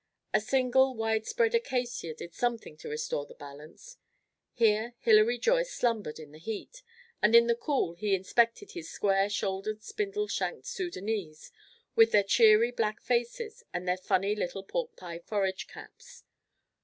A single wide spread acacia did something to restore the balance. Here Hilary Joyce slumbered in the heat, and in the cool he inspected his square shouldered, spindle shanked Soudanese, with their cheery black faces and their funny little pork pie forage caps.